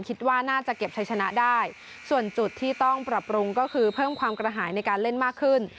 คิดว่าน่าจะเก็บใช้ชนะได้ส่วนจุดที่ต้องปรับปรุงก็คือเพิ่มความกระหายในการเล่นมากขึ้น